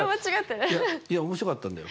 だからいや面白かったんだよ。